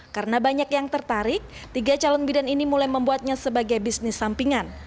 karena banyak yang tertarik tiga calon bidan ini mulai membuatnya sebagai bisnis sampingan